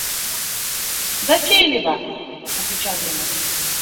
– Затейлива, – отвечал я ему.